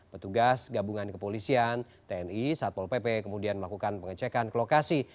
petugas gabungan kepolisian tni satpol pp kemudian melakukan pengecekan ke lokasi